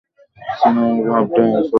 চিনোর ভাবনাটাই আসল।